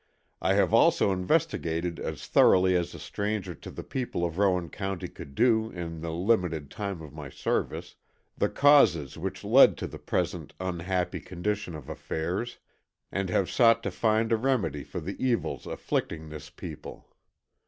I have also investigated as thoroughly as a stranger to the people of Rowan County could do in the limited time of my service, the causes which led to the present unhappy condition of affairs, and have sought to find a remedy for the evils afflicting this people.